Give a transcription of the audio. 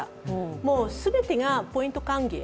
もう全てがポイント還元。